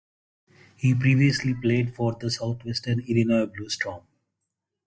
He previously played for the Southwestern Illinois Blue Storm.